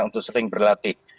untuk sering berlatih